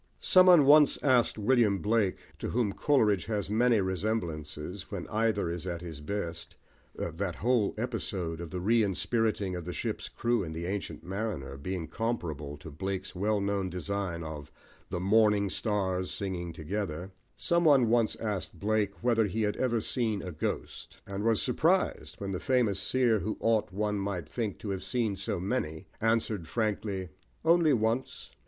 Some one once asked William Blake, to whom Coleridge has many resemblances, when either is at his best (that whole episode of the re inspiriting of the ship's crew in The Ancient Mariner being comparable to Blake's well known design of the "Morning Stars singing together") whether he had ever seen a ghost, and was surprised when the famous seer, who ought, one might think, to have seen so many, answered frankly, "Only once!"